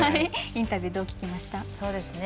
インタビュー、どう聞きました？